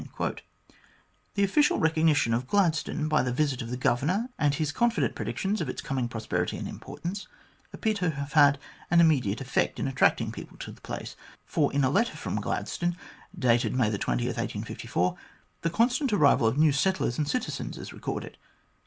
The official recognition of Gladstone by the visit of the Governor, and his confident predictions of its coming prosperity and importance, appear to have had an immediate effect in attracting people to the place, for in a letter from Gladstone, dated May 20, 1854, the constant arrival of new settlers and citizens is recorded.